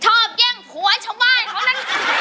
ชอบแย่งหัวชาวมองของนั้น